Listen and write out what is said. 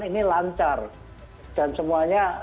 ini lancar dan semuanya